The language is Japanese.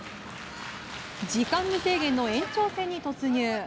時間無制限の延長戦に突入。